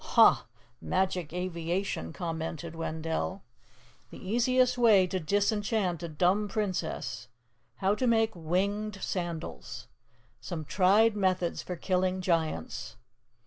("Huh! Magic aviation!" commented Wendell.) "THE EASIEST WAY TO DISENCHANT A DUMB PRINCESS. HOW TO MAKE WINGED SANDALS. SOME TRIED METHODS FOR KILLING GIANTS."